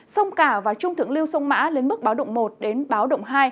sông cả và trung thưởng liêu sông mã lên mức báo động một đến báo động hai